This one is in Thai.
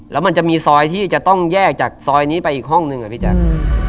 แล้วมันจะมีซอยที่จะต้องแยกจากซอยนี้ไปอีกห้องหนึ่งอะพี่แจ๊ค